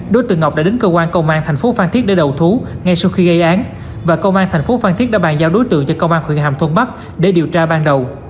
đối tượng ngọc đã đến cơ quan công an thành phố phan thiết để đầu thú ngay sau khi gây án và công an thành phố phan thiết đã bàn giao đối tượng cho công an huyện hàm thuận bắc để điều tra ban đầu